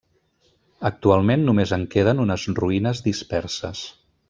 Actualment només en queden unes ruïnes disperses.